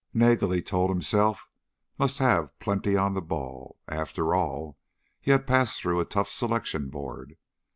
Nagel, he told himself, must have plenty on the ball. After all, he had passed through a tough selection board.